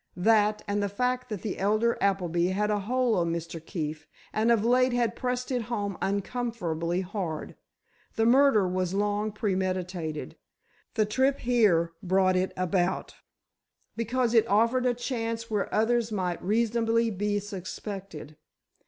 That, and the fact that the elder Appleby had a hold on Mr. Keefe, and of late had pressed it home uncomfortably hard. The murder was long premeditated. The trip here brought it about, because it offered a chance where others might reasonably be suspected.